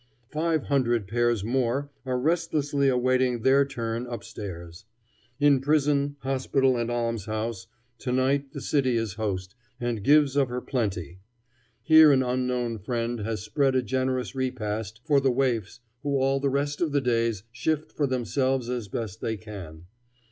Five hundred pairs more are restlessly awaiting their turn up stairs. In prison, hospital, and almshouse to night the city is host, and gives of her plenty. Here an unknown friend has spread a generous repast for the waifs who all the rest of the days shift for themselves as best they can.